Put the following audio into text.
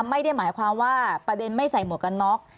ไม่ได้หมายความว่าประเด็นไม่ใส่หมวกกันน็อก